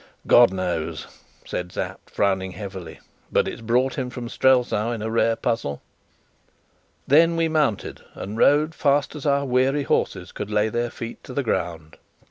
"God knows," said Sapt, frowning heavily. "But it's brought him from Strelsau in a rare puzzle." Then we mounted, and rode as fast as our weary horses could lay their feet to the ground.